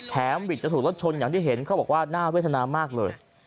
วิทย์จะถูกรถชนอย่างที่เห็นเขาบอกว่าน่าเวทนามากเลย